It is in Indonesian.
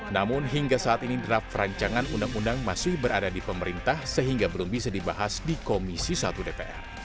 namun hingga saat ini draft rancangan undang undang masih berada di pemerintah sehingga belum bisa dibahas di komisi satu dpr